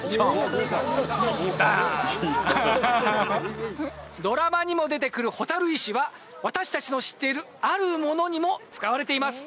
「ＶＩＶＡＮＴ」「ＶＩＶＡＮＴ」ドラマにも出てくる蛍石は私達の知っているあるものにも使われています